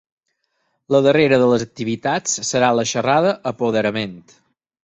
La darrera de les activitats serà la xerrada Apoderament.